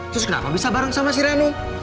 terus kenapa bisa bareng sama si ranum